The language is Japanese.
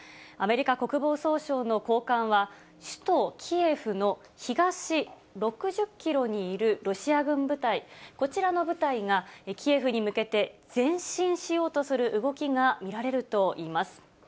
アメリカ国防総省の高官は、首都キエフの東６０キロにいるロシア軍部隊、こちらの部隊が、キエフに向けて前進しようとする動きが見られるといいます。